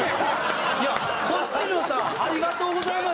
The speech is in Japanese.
いやこっちのさ「ありがとうございます」